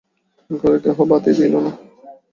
ঘরে কেহ বাতি দিল না।